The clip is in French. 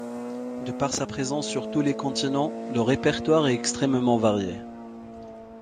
De par sa présence sur tous les continents, le répertoire est extrêmement varié.